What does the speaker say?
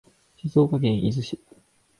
静岡県伊豆市